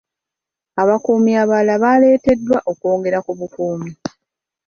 Abakuumi abalala baaleeteddwa okwongera ku bukuumi.